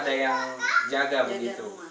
ada yang jaga begitu